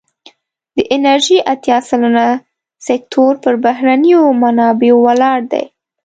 د انرژی اتیا سلنه سکتور پر بهرنیو منابعو ولاړ دی.